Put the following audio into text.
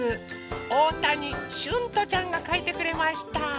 おおたにしゅんとちゃんがかいてくれました。